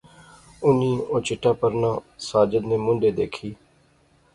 انی او چٹا پرنا ساجد نے مونڈھے دیکھی